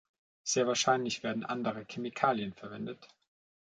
Sehr wahrscheinlich werden andere Chemikalien verwendet.